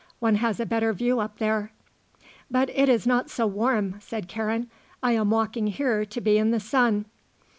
One has a better view up there." "But it is not so warm," said Karen. "I am walking here to be in the sun."